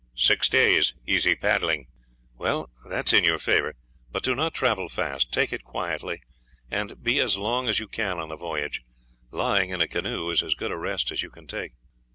"Six days' easy paddling." "Well, that is in your favor; but do not travel fast. Take it quietly, and be as long as you can on the voyage lying in a canoe is as good a rest as you can take."